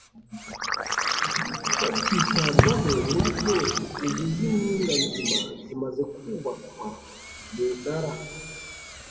bakitabwaho muri byose Inzu z Impinganzima zimaze kubakwa mu Ntara